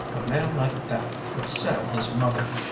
A man like that would sell his mother!"